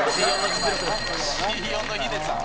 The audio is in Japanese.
Ｃ−４のヒデさん。